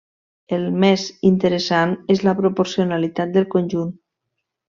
El més interessant és la proporcionalitat del conjunt.